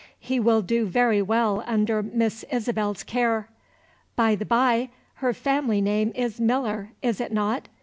He will do very well under Miss Isabel's care. By the bye, her family name is Miller is it not?